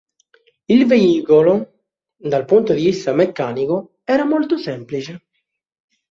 Il veicolo, dal punto di vista meccanico, era molto semplice.